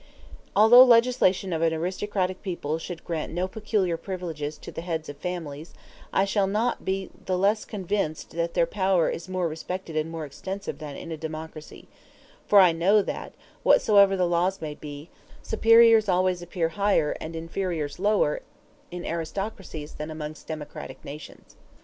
Although the legislation of an aristocratic people should grant no peculiar privileges to the heads of families; I shall not be the less convinced that their power is more respected and more extensive than in a democracy; for I know that, whatsoever the laws may be, superiors always appear higher and inferiors lower in aristocracies than amongst democratic nations.